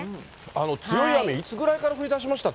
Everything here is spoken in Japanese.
強い雨いつぐらいから降りだしました？